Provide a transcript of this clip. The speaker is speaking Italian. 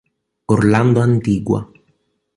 Orlando Antigua